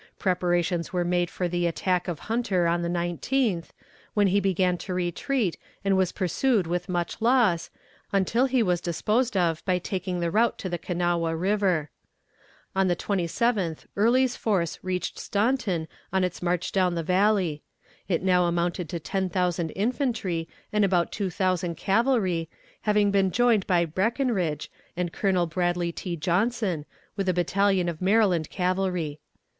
Preparations were made for the attack of Hunter on the 19th, when he began to retreat, and was pursued with much loss, until he was disposed of by taking the route to the Kanawha River. On the 27th Early's force reached Staunton on its march down the Valley. It now amounted to ten thousand infantry and about two thousand cavalry, having been joined by Breckinridge, and Colonel Bradley T. Johnson, with a battalion of Maryland cavalry.